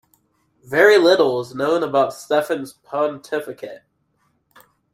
Very little is known about Stephen's pontificate.